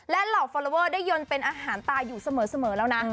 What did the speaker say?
และเหล่าฟอลลอเวอร์ได้ยนต์เป็นอาหารตาอยู่เสมอแล้วนะ